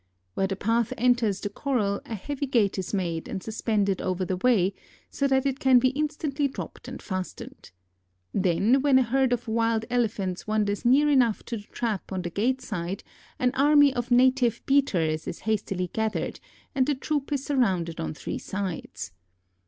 Where the path enters the corral a heavy gate is made and suspended over the way, so that it can be instantly dropped and fastened. Then, when a herd of wild Elephants wanders near enough to the trap on the gate side an army of native beaters is hastily gathered and the troop is surrounded on three sides.